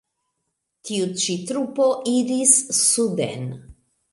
Tiu ĉi trupo iris suden.